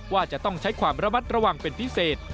ว่าจะต้องใช้ความระมัดระวังเป็นพิเศษ